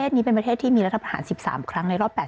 สิ่งที่ประชาชนอยากจะฟัง